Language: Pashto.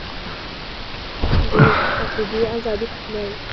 د عقیدې ازادي حق دی